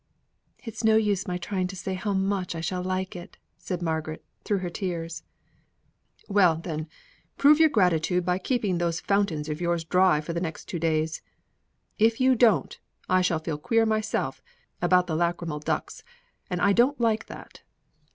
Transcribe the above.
"It's no use my trying to say how much I shall like it," said Margaret, through her tears. "Well, then, prove your gratitude by keeping those fountains of yours dry for the next two days. If you don't, I shall feel queer myself about the lachrymal ducts, and I don't like that."